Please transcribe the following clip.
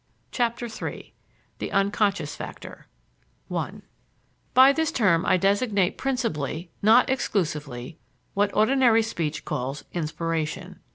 CHAPTER III THE UNCONSCIOUS FACTOR I By this term I designate principally, not exclusively, what ordinary speech calls "inspiration."